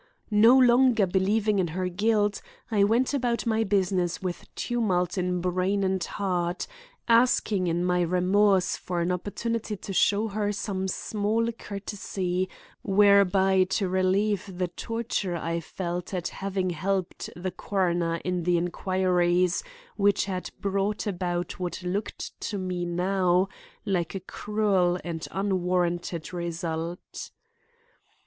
No longer believing in her guilt, I went about my business with tumult in brain and heart, asking in my remorse for an opportunity to show her some small courtesy whereby to relieve the torture I felt at having helped the coroner in the inquiries which had brought about what looked to me now like a cruel and unwarranted result.